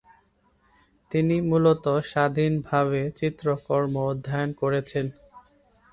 তিনি মূলত স্বাধীনভাবে চিত্রকর্ম অধ্যয়ন করেছেন।